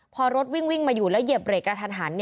พอรถวิ่งมาอยู่แล้วเหยียบเรกกระทันหัน